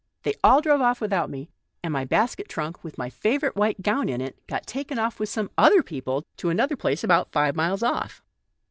They all drove off without me, and my basket trunk, with my favourite white gown in it, got taken off with some other people to another place about five miles off.